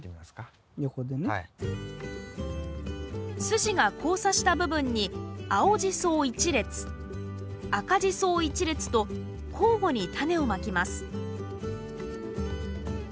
筋が交差した部分に青ジソを１列赤ジソを１列と交互にタネをまきます